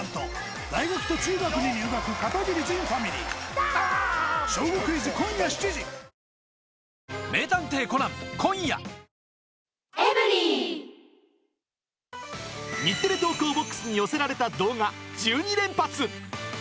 「アサヒスーパードライ」日テレ投稿ボックスに寄せられた動画１２連発。